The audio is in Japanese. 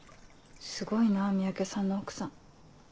すごいな三宅さんの奥さん。